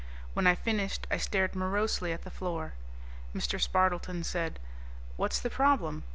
When I finished I stared morosely at the floor. Mr. Spardleton said, "What's the problem?